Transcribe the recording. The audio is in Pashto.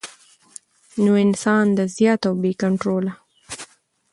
نو انسان د زيات او بې کنټروله